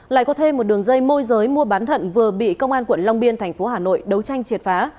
lại có thêm một đường dây môi giới mua bán thận vừa bị công an quận long biên thành phố hà nội đấu tranh triệt phá